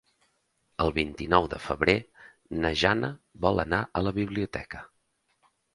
El vint-i-nou de febrer na Jana vol anar a la biblioteca.